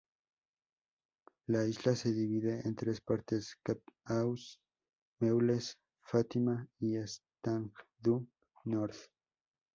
La isla se divide en tres partes: Cap-aux-Meules, Fátima y Étang-du-Nord.